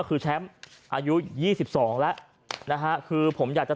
ก็ได้พลังเท่าไหร่ครับ